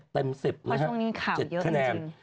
๗เต็ม๑๐นะฮะ๗คะแนน